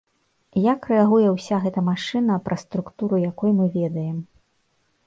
Як рэагуе ўся гэтая машына, пра структуру якой мы ведаем?